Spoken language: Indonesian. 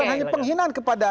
bukan hanya penghinaan kepada